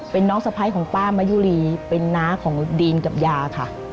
เป็นน้องสะพ้ายของป้ามายุรีเป็นน้าของดีนกับยาค่ะ